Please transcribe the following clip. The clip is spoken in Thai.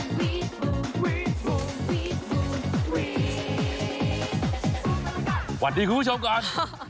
สวัสดีคุณผู้ชมก่อน